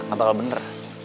gak bakal bener